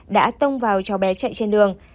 đã tông vào cho bé chạy trên đường